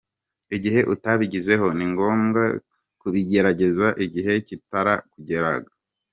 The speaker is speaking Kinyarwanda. Igihe utabigezeho, ni ngombwa kubigerageza igihe kitarakurengana.